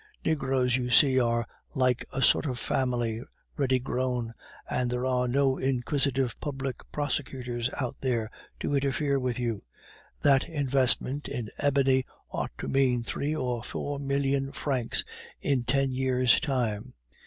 Negroes, you see, are like a sort of family ready grown, and there are no inquisitive public prosecutors out there to interfere with you. That investment in ebony ought to mean three or four million francs in ten years' time.